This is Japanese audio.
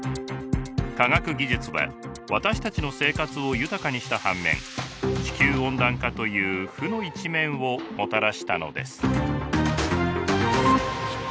科学技術は私たちの生活を豊かにした反面地球温暖化という負の一面をもたらしたのです。